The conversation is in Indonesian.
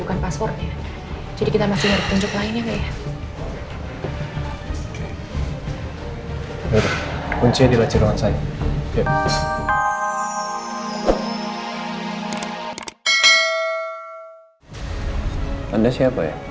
anda siapa ya